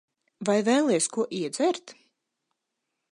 Vai vēlies ko iedzert?